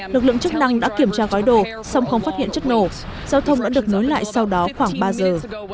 lực lượng chức năng đã kiểm tra gói đồ song không phát hiện chất nổ giao thông đã được nối lại sau đó khoảng ba giờ